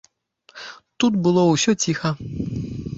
Тут было ўсё ціха.